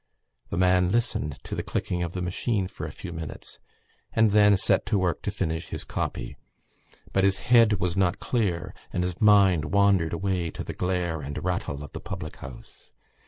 The man listened to the clicking of the machine for a few minutes and then set to work to finish his copy. But his head was not clear and his mind wandered away to the glare and rattle of the public house.